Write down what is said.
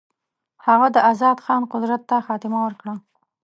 هغه د آزاد خان قدرت ته خاتمه ورکړه.